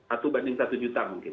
satu banding satu juta mungkin